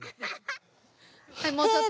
はいもうちょっと。